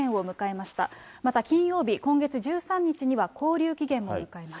また金曜日、今月１３日には勾留期限も迎えます。